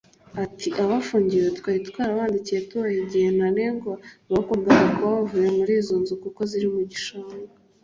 Ati “Abafungiwe twari twarabandikiye tubaha igihe ntarengwa bagombaga kuba baravuye muri izo nzu kuko ziri mu gishanga